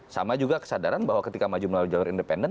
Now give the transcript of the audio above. sama juga kesadaran bahwa ketika maju melalui jalur independen